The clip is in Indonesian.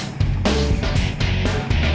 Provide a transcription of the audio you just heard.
tunggu sepuluh rim ya